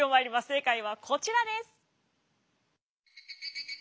正解はこちらです。